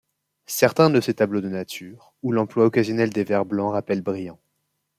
Certains de ses tableaux de nature, ou l'emploi occasionnel des vers blancs rappellent Bryant.